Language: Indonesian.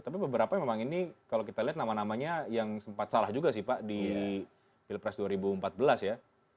tapi beberapa memang ini kalau kita lihat nama namanya yang sempat salah juga sih pak di pilpres dua ribu empat belas ya